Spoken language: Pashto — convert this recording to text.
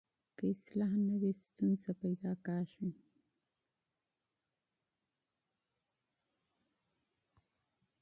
که اصلاح نه وي ستونزه پیدا کېږي.